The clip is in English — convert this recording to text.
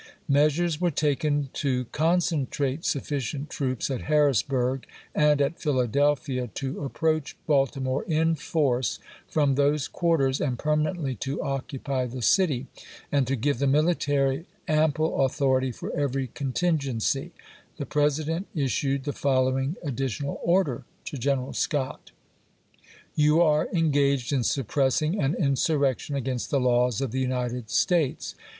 Measures were taken to concentrate suf ii.,p. eo?." ficient troops at Harrisburg and at Philadelphia to approach Baltimore in force from those quar ters and permanently to occupy the city ; and to give the military ample authority for every con tingency, the President issued the following addi tional order to Greneral Scott : You are engaged in suppressing an insurrection against the laws of the United States.